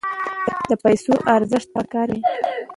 د پیسو ارزښت په کار کې دی.